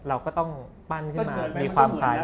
เราก็ต้องปั้นขึ้นมามีความคล้าย